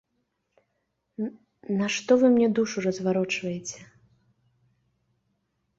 Нашто вы мне душу разварочваеце?